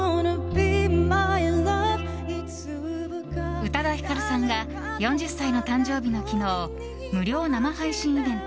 宇多田ヒカルさんが４０歳の誕生日の昨日無料生配信イベント